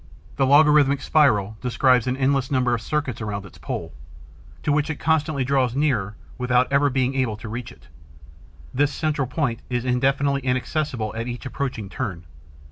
The logarithmic spiral describes an endless number of circuits around its pole, to which it constantly draws nearer without ever being able to reach it. This central point is indefinitely inaccessible at each approaching turn.